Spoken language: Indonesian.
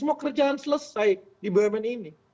semoga kerjaan selesai di bmn ini